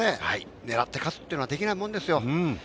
狙って勝つというのはできないものですよ。